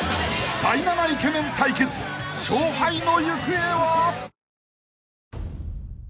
［第７イケメン対決勝敗の行方は！？］